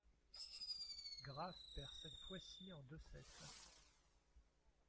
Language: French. Graf perd cette fois-ci en deux sets.